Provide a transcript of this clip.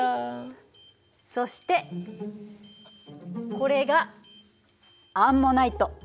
そしてこれがアンモナイト。